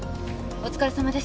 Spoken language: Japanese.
お疲れさまです